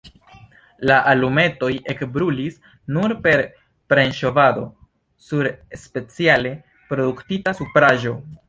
La alumetoj ekbrulis nur per premŝovado sur speciale produktita supraĵo.